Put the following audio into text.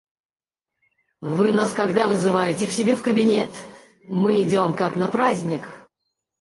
Вы нас когда вызываете к себе в кабинет, мы идем, как на праздник!